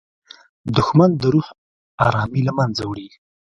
دښمن د روح ارامي له منځه وړي